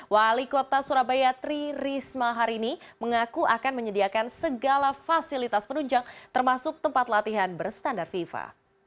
wali kota surabaya tri risma hari ini mengaku akan menyediakan segala fasilitas penunjang termasuk tempat latihan berstandar fifa